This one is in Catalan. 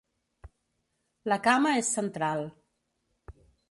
La cama és central.